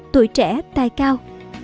tuổi trẻ tài cao